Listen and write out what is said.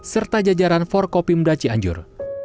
serta jajaran forkopimda cianjur